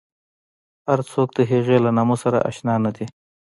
هر څوک د هغې له نامه سره اشنا نه دي.